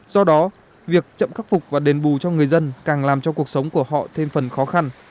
do đó việc chậm khắc phục và đền bù cho người dân càng làm cho cuộc sống của họ thêm phần khó khăn